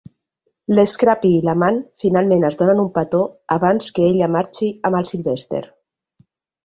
L'Scrappie i la Mann finalment es donen un petó abans que ella marxi amb el Sylvester.